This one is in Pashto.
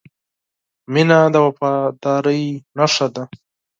• مینه د وفادارۍ نښه ده.